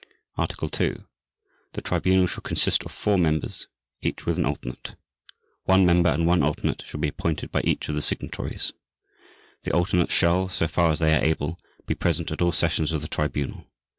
Article 2. The Tribunal shall consist of four members, each with an alternate. One member and one alternate shall be appointed by each of the Signatories. The alternates shall, so far as they are able, be present at all sessions of the Tribunal.